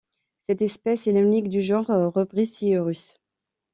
Cette espèce est l'unique du genre Rubrisciurus.